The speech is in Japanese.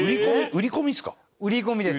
売り込みです。